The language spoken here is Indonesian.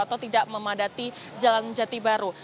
atau tidak memadati jalan jati baru